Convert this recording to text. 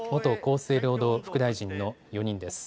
生労働副大臣の４人です。